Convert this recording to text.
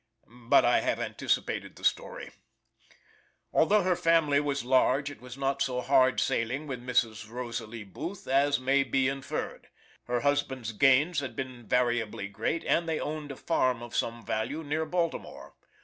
But I have anticipated the story: Although her family was large, it was not so hard sailing with Mrs. Rosalie Booth as may be inferred. Her husband's gains had been variably great, and they owned a farm of some value near Baltimore.